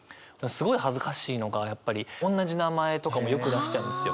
すごい恥ずかしいのがやっぱりおんなじ名前とかもよく出しちゃうんですよ。